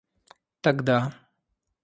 тогда